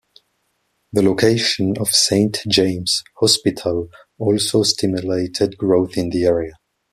The location of Saint James' Hospital also stimulated growth in the area.